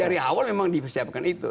dari awal memang dipersiapkan itu